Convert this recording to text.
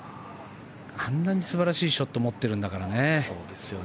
あんなに素晴らしいショットを持ってるんだからね。